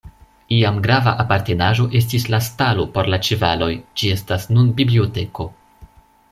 Iam grava apartenaĵo estis la stalo por la ĉevaloj, ĝi estas nun biblioteko.